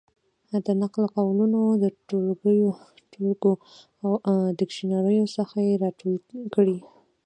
د نقل قولونو د ټولګو او ډکشنریو څخه یې را ټولې کړې.